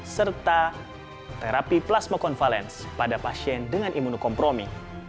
serta terapi plasmo konvalens pada pasien dengan imunokompromi